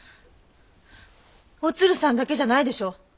おつるさんだけじゃないでしょ？